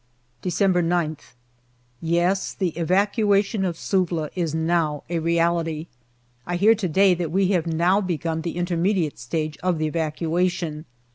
December 9th. Yes ; the evacuation of Suvla is now a reality. I hear to day that we have now begun the intermediate stage of the evacuation.